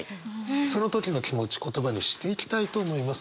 その時の気持ち言葉にしていきたいと思います。